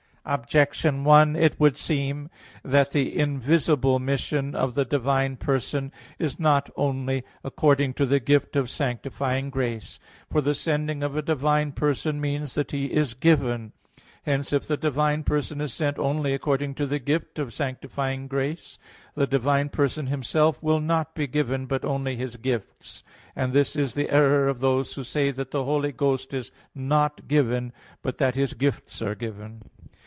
Objection 1: It would seem that the invisible mission of the divine person is not only according to the gift of sanctifying grace. For the sending of a divine person means that He is given. Hence if the divine person is sent only according to the gift of sanctifying grace, the divine person Himself will not be given, but only His gifts; and this is the error of those who say that the Holy Ghost is not given, but that His gifts are given.